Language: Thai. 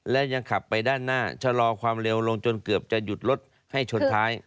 และยังขับไปด้านหน้าชะลอความเร็วลงจนเกือบจะหยุดรถให้ชนท้าย